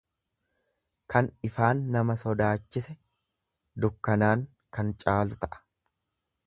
Kan ifaan nama sodaachise dukkanaan kan caalu ta'a.